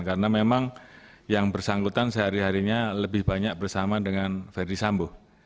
karena memang yang bersangkutan sehari harinya lebih banyak bersama dengan fahmi sambo